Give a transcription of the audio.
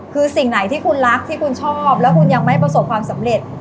คือสิ่งไหนที่คุณรักที่คุณชอบแล้วคุณยังไม่ประสบความสำเร็จ